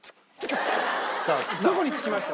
どこにつきました？